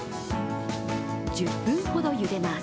１０分ほどゆでます。